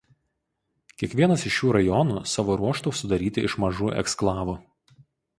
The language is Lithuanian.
Kiekvienas iš šių rajonų savo ruožtu sudaryti iš mažų eksklavų.